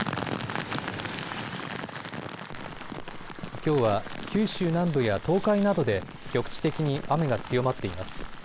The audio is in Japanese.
きょうは九州南部や東海などで局地的に雨が強まっています。